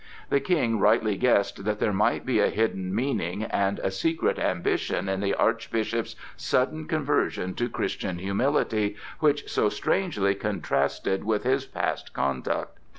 The King rightly guessed that there might be a hidden meaning and a secret ambition in the Archbishop's sudden conversion to Christian humility, which so strangely contrasted with his past conduct.